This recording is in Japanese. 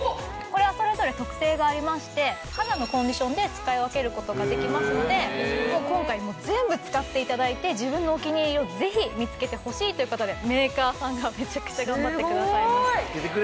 これはそれぞれ特性がありまして肌のコンディションで使い分ける事ができますので今回もう全部使って頂いて自分のお気に入りをぜひ見つけてほしいという事でメーカーさんがめちゃくちゃ頑張ってくださいました。